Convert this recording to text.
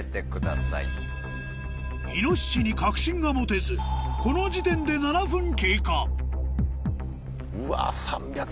イノシシに確信が持てずこの時点でうわ。